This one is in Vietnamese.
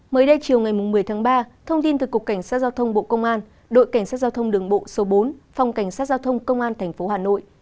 mới đây chiều ngày một mươi tháng ba thông tin từ cục cảnh sát giao thông bộ công an đội cảnh sát giao thông đường bộ số bốn phòng cảnh sát giao thông công an tp hà nội